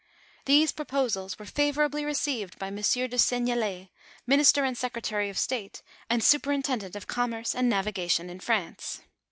These proposals* were favorably received by Monsieur de Seignelay, minister and secretary of state, and superintendent of commerce and navigation in France.